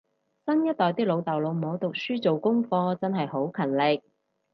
新一代啲老豆老母讀書做功課真係好勤力